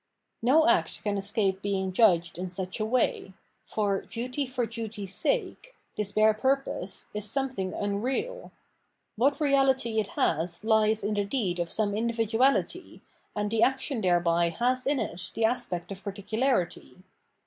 No act can escape being judged in such a way ; for " duty for duty's sake," this bare purpose, is some thing unreal. What reality it has Hes in the deed of some individuality, and the action thereby has in it the aspect of particularity.